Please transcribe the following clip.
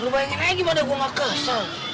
lu bayangin aja gimana gue gak kesel